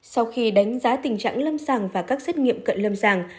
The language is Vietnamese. sau khi đánh giá tình trạng lâm sàng và các xét nghiệm cận lâm sàng